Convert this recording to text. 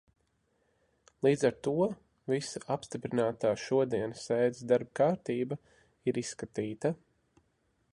Līdz ar to visa apstiprinātā šodienas sēdes darba kārtība ir izskatīta.